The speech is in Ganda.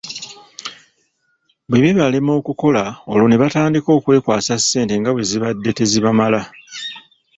Bwebibalema okukola olwo nebatandika okwekwasa ssente nga bwezibadde tezitamala.